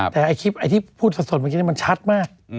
แต่ไอ้ที่พูดสะสดเหมือนกันมันชัดมาก